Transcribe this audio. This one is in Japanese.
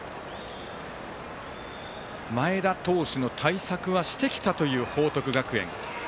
前田投手の対策はしてきたという報徳学園。